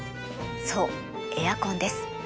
そうエアコンです。